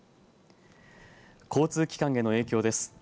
交通機関への影響です。